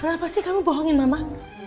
kenapa sih kamu bohongin mama